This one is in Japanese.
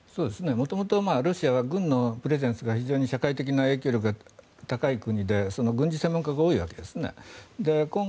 元々、ロシアは軍のプレゼンスが非常に社会的な影響力が高い国で軍事専門家が多いわけですね。